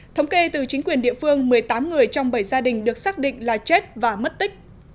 thống kê từ chính quyền địa phương một mươi tám người trong bảy gia đình được xác định là chết và mất tích